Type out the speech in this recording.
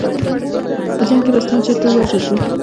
په جنګ کې رستم چېرته ووژل شو.